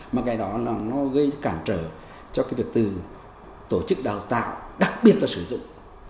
mà cái đó là nó gây cản trở cho cái việc từ tổ chức đào tạo đặc biệt và sử dụng